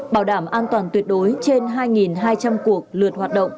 bảo đảm an toàn tuyệt đối trên hai hai trăm linh cuộc lượt hoạt động